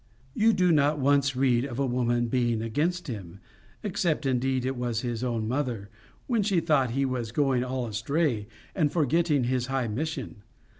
You do not once read of a woman being against him except indeed it was his own mother, when she thought he was going all astray and forgetting his high mission.